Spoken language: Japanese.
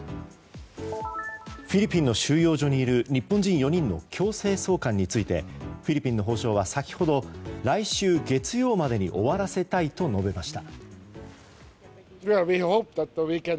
フィリピンの収容所にいる日本人４人の強制送還についてフィリピンの法相は先ほど、来週月曜までに終わらせたいと述べました。